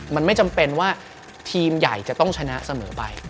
มันไม่จำเป็นว่าทีมใหญ่จะต้องชนะเสมอไป